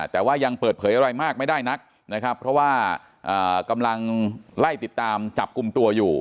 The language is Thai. แต่ว่ายังเปิดเผยอะไรมากไม่ได้นักนะครับเพราะว่ากำลังไล่ติดตามจับกลุ่มตัวอยู่